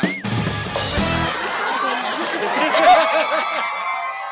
โอเคค่ะ